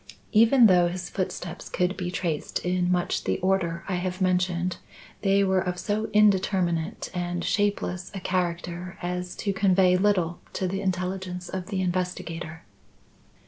Even though his footsteps could be traced in much the order I have mentioned, they were of so indeterminate and shapeless a character as to convey little to the intelligence of the investigator.